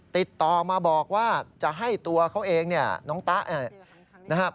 ติดต่อมาบอกว่าจะให้ตัวเขาเองเนี่ยน้องตะเนี่ยนะครับ